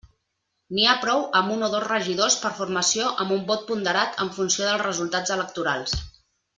N'hi ha prou amb un o dos regidors per formació amb un vot ponderat en funció dels resultats electorals.